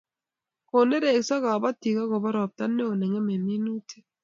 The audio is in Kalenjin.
Ko nerekso kabotik akobo ropta neo ne ngemei minutik